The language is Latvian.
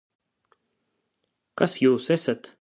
Kas Jūs esat?